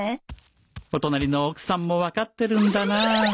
お隣の奥さんも分かってるんだな